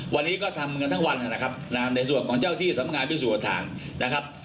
วันนี้ก็ทำกันทั้งวันนะครับในส่วนของเจ้าที่สำงานพิสูจน์ฐานนะครับ